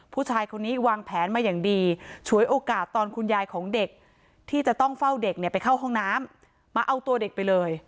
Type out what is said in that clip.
ผู้ชายคนนี้วางแผนมาอย่างดีฉวยโอกาสตอนคุณยายของเด็กที่จะต้องเฝ้าเด็กเนี่ยไปเข้าห้องน้ำมาเอาตัวเด็กไปเลย